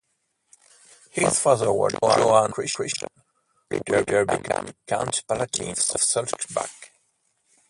His father was Johann Christian, who later became Count Palatine of Sulzbach.